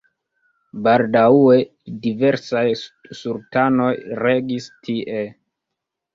Baldaŭe diversaj sultanoj regis tie.